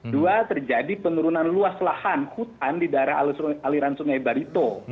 dua terjadi penurunan luas lahan hutan di daerah aliran sungai barito